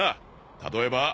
例えば。